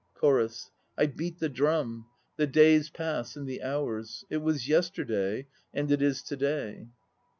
CHORUS. I beat the drum. The days pass and the hours. It was yesterday, and it is to day.